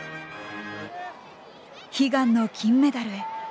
悲願の金メダルへ。